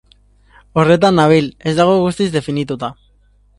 Horretan nabil, ez dago guztiz definituta.